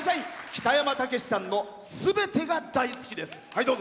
北山たけしさんのすべてが大好きです。